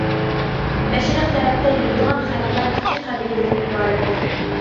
مەشرىق تەرەپتە يۈرىدىغان خەلقلەر ئىككى قەبىلىدىن ئىبارەتتۇر.